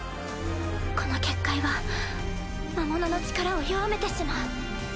この結界は魔物の力を弱めてしまう。